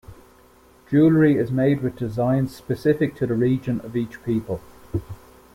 Jewelry is made with designs specific to the region of each people.